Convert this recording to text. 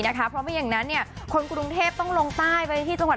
สาธารณีสี่มุมออกมาทั้งเว็บเลขนี้เลยครับ